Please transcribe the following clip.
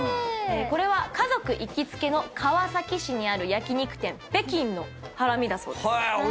これは家族行きつけの川崎市にある焼き肉店ペキンのハラミだそうです。